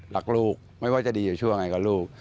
รักลูกไม่ว่าจะดีอยู่ชั่วไงกับลูก